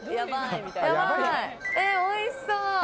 おいしそう。